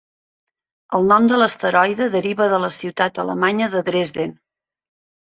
El nom de l'asteroide deriva de la ciutat alemanya de Dresden.